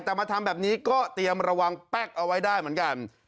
แต่มาทำแบบนี้ก็เตรียมระวังแป๊กเอาไว้ได้เหมือนกัน